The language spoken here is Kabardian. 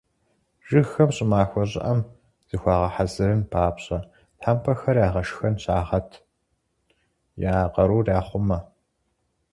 Жыгхэм щӏымахуэ щӏыӏэм зыхуагъэхьэзырын папщӏэ, тхьэпмэхэр «ягъэшхэн» щагъэт, я къарур яхъумэ.